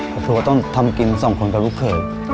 ก็พูดว่าต้องทำกินสองคนให้ลูกเขย